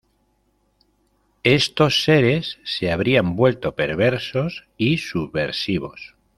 Estos seres se habrían vuelto perversos y subversivos.